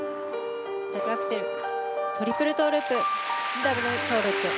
ダブルアクセルトリプルトウループダブルトウループ。